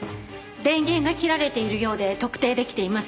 電源が切られているようで特定できていません。